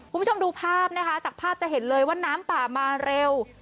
คุณผู้ชมดูภาพนะคะจากภาพจะเห็นเลยว่าน้ำป่ามาเร็ว